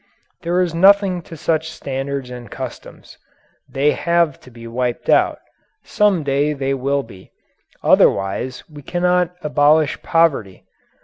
There is nothing to such standards and customs. They have to be wiped out. Some day they will be. Otherwise, we cannot abolish poverty.